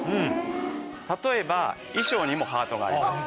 例えば衣装にもハートがあります。